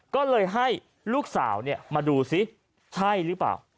ก็เลยให้ลูกสาวมาดูซิใช่หรือเปล่า